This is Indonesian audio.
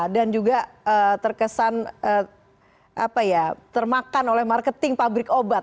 dan juga terkesan apa ya termakan oleh marketing pabrik obat